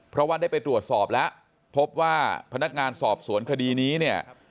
เพราะว่าได้ไปตรวจสอบแล้วพบว่าพนักงานสอบสวนคดีนี้เนี่ย